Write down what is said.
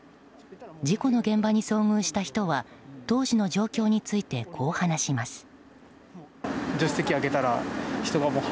事故の現場に遭遇した人は当時の状況についてこう話します。